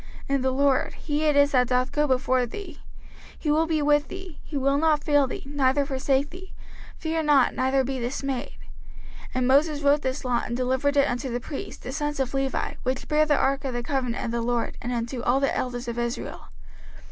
05:031:008 And the LORD, he it is that doth go before thee; he will be with thee, he will not fail thee, neither forsake thee: fear not, neither be dismayed. 05:031:009 And Moses wrote this law, and delivered it unto the priests the sons of Levi, which bare the ark of the covenant of the LORD, and unto all the elders of Israel.